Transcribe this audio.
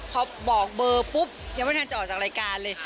พอบอกเบอร์ปุ๊บยังไม่ทันจะออกจากรายการเลย